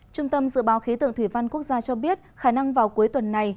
trung tâm dự báo khí tượng thủy văn quốc gia cho biết khả năng vào cuối tuần này